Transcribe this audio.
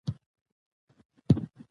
زه په زړه کې ډېره خوشحاله شوم .